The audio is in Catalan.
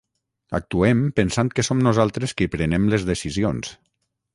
Actuem pensant que som nosaltres qui prenem les decisions